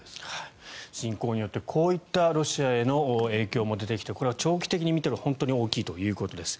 侵攻によって、こういったロシアへの影響も出てきてこれは長期的に見たら本当に大きいということです。